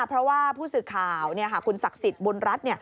เพราะว่าผู้สื่อข่าวคุณศักดิ์สิทธิ์บุญรัฐ